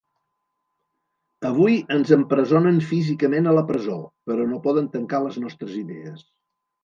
Avui ens empresonen físicament a la presó, però no poden tancar les nostres idees.